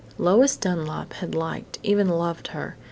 Lois Dunlap had liked, even loved her.